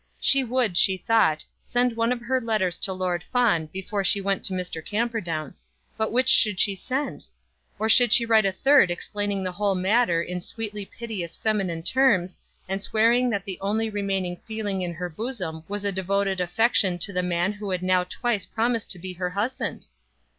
She would, she thought, send one of her letters to Lord Fawn before she went to Mr. Camperdown; but which should she send? Or should she write a third explaining the whole matter in sweetly piteous feminine terms, and swearing that the only remaining feeling in her bosom was a devoted affection to the man who had now twice promised to be her husband?